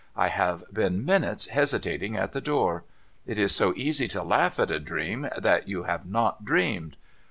I have been minutes hesitating at the door. It is so easy to laugh at a dream that you have not dreamed.